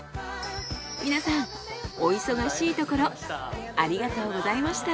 皆さんお忙しいところありがとうございました。